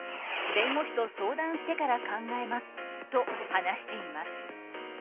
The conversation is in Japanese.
弁護士と相談してから考えますと話しています。